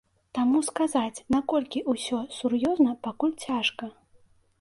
Таму сказаць, наколькі ўсё сур'ёзна, пакуль цяжка.